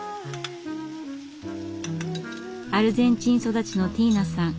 アルゼンチン育ちのティーナさん。